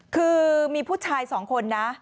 คือมีผู้ชายสองคนนะ